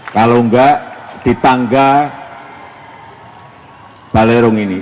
kalau enggak di tangga balerung ini